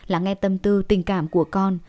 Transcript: lắng nghe tâm tư tình cảm của con